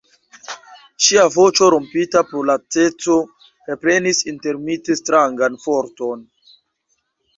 Ŝia voĉo, rompita pro laceco, reprenis intermite strangan forton.